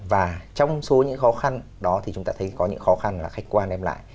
và trong số những khó khăn đó thì chúng ta thấy có những khó khăn là khách quan đem lại